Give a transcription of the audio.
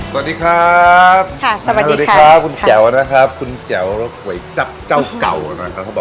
สวัสดีครับค่ะสวัสดีครับคุณแจ๋วนะครับคุณแจ๋วก๋วยจับเจ้าเก่านะครับ